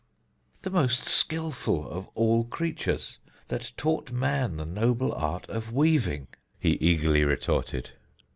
"The most skilful of all creatures, that taught man the noble art of weaving," he eagerly retorted.